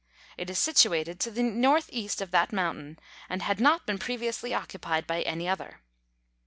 It is situated to the N.E. of that mountain, and had not been previously occupied by any other.